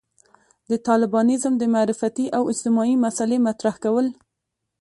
د طالبانيزم د معرفتي او اجتماعي مسألې مطرح کول.